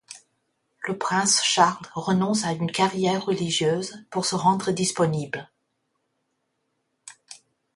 Le prince Charles renonce à une carrière religieuse pour se rendre disponible.